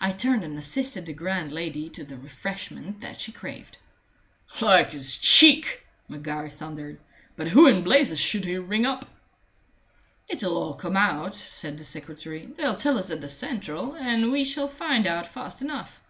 I turned and assisted the grand lady to the refreshment that she craved. "Like his cheek!" Maguire thundered. "But who in blazes should he ring up?" "It'll all come out," said the secretary. "They'll tell us at the central, and we shall find out fast enough."